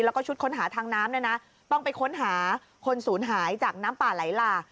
แล้วก็ชุดค้นหาทางน้ำเนี่ยนะต้องไปค้นหาคนศูนย์หายจากน้ำป่าไหลหลาก